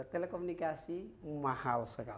telekomunikasi mahal sekali